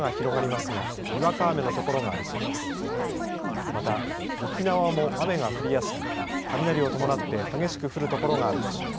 また、沖縄も雨が降りやすく雷を伴って激しく降る所があるでしょう。